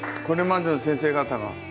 これまでの先生方が。